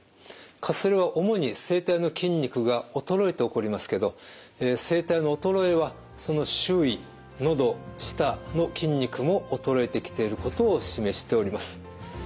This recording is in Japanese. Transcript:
かすれは主に声帯の筋肉が衰えて起こりますけど声帯の衰えはその周囲のど舌の筋肉も衰えてきていることを示しております。